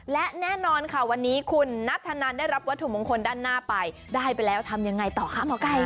และแน่นอนค่ะวันนี้คุณนัทธนันได้รับวัตถุมงคลด้านหน้าไปได้ไปแล้วทำยังไงต่อคะหมอไก่